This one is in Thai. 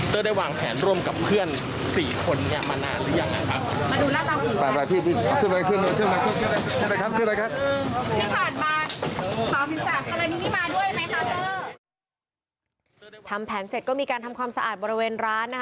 ทำแผนเสร็จก็มีการทำความสะอาดบริเวณร้านนะคะ